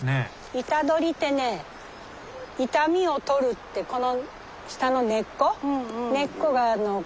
イタドリってね痛みを取るってこの下の根っこが漢方薬なのね。